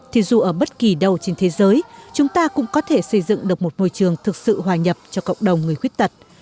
thì dù ở bất kỳ đâu trên thế giới chúng ta cũng có thể xây dựng được một môi trường thực sự hòa nhập cho cộng đồng người khuyết tật